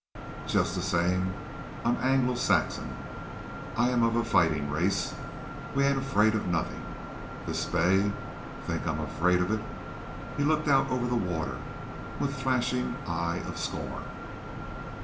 Just the same, I'm Anglo Saxon. I am of a fighting race. We ain't afraid of nothin'. This bay think I'm afraid of it!" He looked out over the water with flashing eye of scorn.